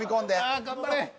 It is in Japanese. ああ頑張れ。